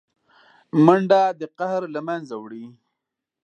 منډه د قهر له منځه وړي